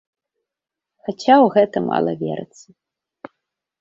Хаця ў гэта мала верыцца.